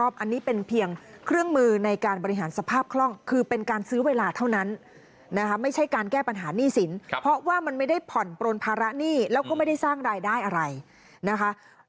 มีเวลาเท่านั้นนะครับไม่ใช่การแก้ปัญหานี่สินเพราะว่ามันไม่ได้ผ่อนโปรนภาระหนี้แล้วก็ไม่ได้สร้างรายได้อะไรนะคะ